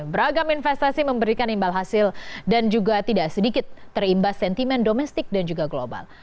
beragam investasi memberikan imbal hasil dan juga tidak sedikit terimbas sentimen domestik dan juga global